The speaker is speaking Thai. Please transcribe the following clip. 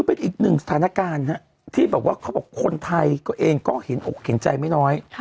เป็นอีกหนึ่งสถานการณ์ไฟน์ที่พูดว่าคนไทยเองเขาเห็นใจไม่น้อย